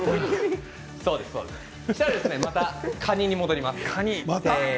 そうしたらまたカニに戻ります。